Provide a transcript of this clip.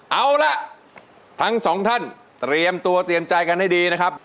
เอาล่ะทั้งสองท่านเตรียมตัวเตรียมใจกันให้ดีนะครับ